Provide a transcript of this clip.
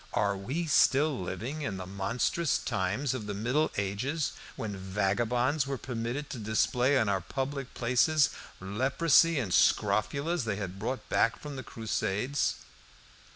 Are we still living in the monstrous times of the Middle Ages, when vagabonds were permitted to display in our public places leprosy and scrofulas they had brought back from the Crusades?"